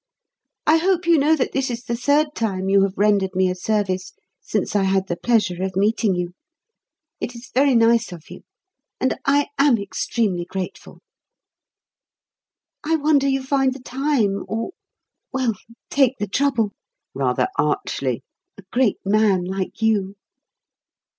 I hope you know that this is the third time you have rendered me a service since I had the pleasure of meeting you. It is very nice of you; and I am extremely grateful. I wonder you find the time or well, take the trouble," rather archly; "a great man like you."